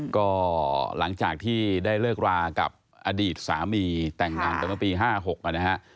ก็หลังจากที่ได้เลิกรากับอดีตสามีแต่งงานไปเมื่อปี๕๖นะฮะ